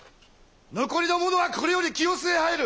残りの者はこれより清須へ入る！